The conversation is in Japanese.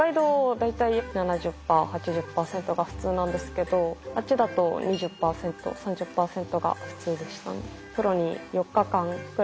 大体７０％８０％が普通なんですけどあっちだと２０％３０％が普通でした。